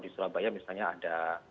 di surabaya misalnya ada